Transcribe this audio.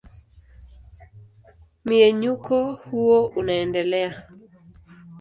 Mmenyuko huo unaendelea.